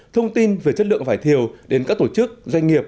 thông tin về chất lượng vải thiều đến các tổ chức doanh nghiệp